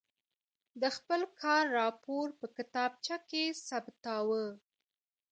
د خپل کار راپور په کتابچه کې ثبتاوه.